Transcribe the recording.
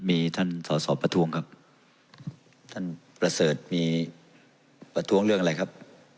มีท่านสอสอประท้วงครับท่านประเสริฐมีประท้วงเรื่องอะไรครับ